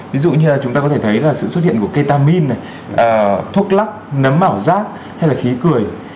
ví dụ như là chúng ta có thể thấy là sự xuất hiện của ketamin thuốc lắc nấm ảo giác hay là khí cười